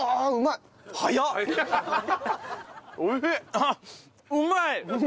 あっうまい！